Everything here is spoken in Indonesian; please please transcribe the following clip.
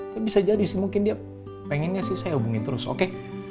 tapi bisa jadi sih mungkin dia pengennya sih saya hubungi terus oke